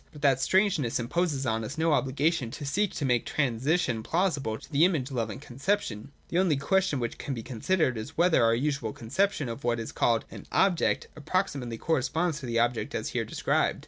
But that strangeness imposes on us no obligation to seek to make the transition plausible to the image loving con ception. The only question which can be considered is, whether our usual conception of what is called an 'object' approximately corresponds to the object as here described.